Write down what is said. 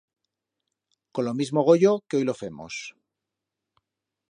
Con lo mismo goyo que hoi lo femos.